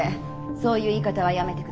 そういう言い方はやめてください。